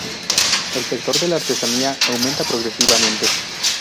El sector de la artesanía aumenta progresivamente.